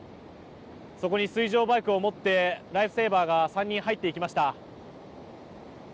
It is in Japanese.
そこに水上バイクを持ってライフセーバーが３人入っていきました。